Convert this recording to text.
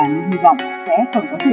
nhưng hy vọng sẽ không có thể